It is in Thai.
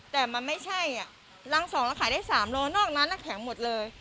แต่มันไม่ใช่รัง๒เราขายได้๓โลนอกนั้นแข็งหมดเลย